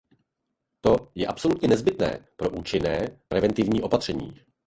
To je absolutně nezbytné pro účinné preventivní opatření.